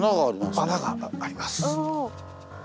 穴があります。